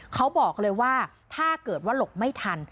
เขาบอกเลยว่าถ้าเกิดว่าหลบไม่ทัน